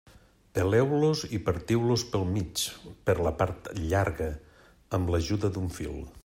Peleu-los i partiu-los pel mig, per la part llarga, amb l'ajuda d'un fil.